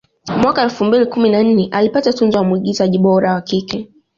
Mwaka elfu mbili kumi na nne alipata tuzo ya mwigizaji bora wa kike